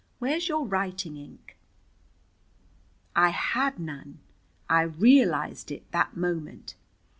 Where's your writing ink?" I had none! I realized it that moment.